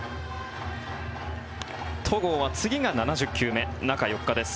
戸郷は次が７０球目中４日です。